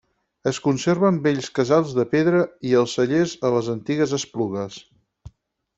Es conserven vells casals de pedra i els cellers a les antigues esplugues.